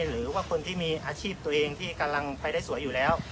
หรือว่าคนที่มีอาชีพตัวเองที่กำลังไปได้สวยอยู่แล้ว